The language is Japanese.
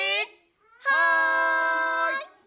はい！